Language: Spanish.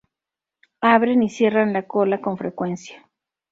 Abren y cierran la cola con frecuencia.